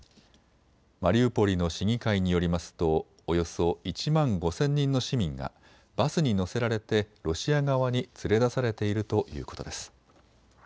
マリウポリの市議会によりますとおよそ１万５０００人の市民がバスに乗せられてロシア側に連れ出されているということです。